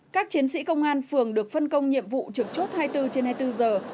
các chiến sĩ công an phường được phân công nhiệm vụ trực chốt hai mươi bốn trên hai mươi bốn giờ